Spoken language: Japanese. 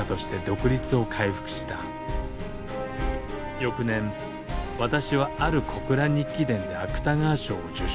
翌年私は「或る『小倉日記』伝」で芥川賞を受賞。